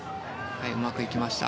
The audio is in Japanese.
うまくいきました。